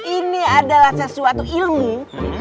ini adalah sesuatu ilmu